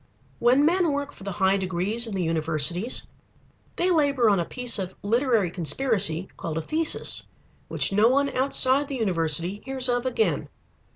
When men work for the high degrees in the universities, they labor on a piece of literary conspiracy called a thesis which no one outside the university hears of again.